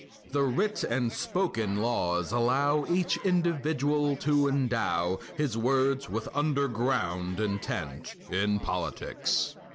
The writ and spoken laws allow Each individual to endow His words with underground intent In politics.